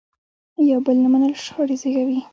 یو بل نه منل شخړې زیږوي.